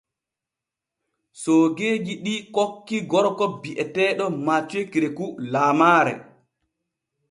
Soogeeji ɗi kokki gorko bi’eteeɗo MATHIEU KEREKOU laamaare.